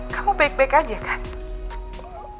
kamu baik baik aja kan